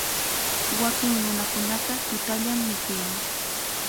Wakin nunakunaqa tutallam mikuyan.